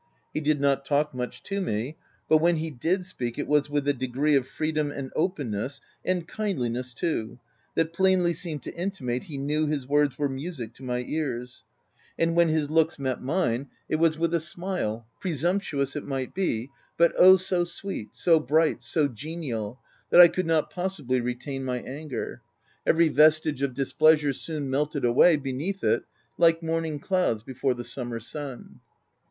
He did not talk much to me, but when he did speak, it was with a degree of freedom and openness — and kindliness too — that plainly seemed to intimate he knew his words were music to my ears ; and when his looks met mine, it was with a smile — presump tuous it might be — but oh, so sweet, so bright, so genial, that I could not possibly retain my anger ; every vestige of displeasure soon melted away beneath it, like morning clouds before the summer sun.